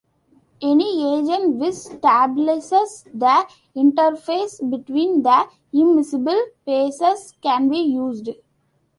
Any agent which stabilizes the interface between the immiscible phases can be used.